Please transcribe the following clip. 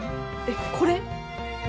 えっこれ？